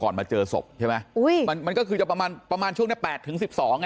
ถ้าสมมุติว่าพบศพบ่ายสอง